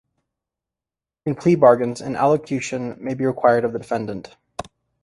In plea bargains, an allocution may be required of the defendant.